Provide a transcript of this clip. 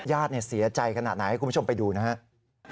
ญาติเสียใจขนาดไหนให้คุณผู้ชมไปดูนะครับ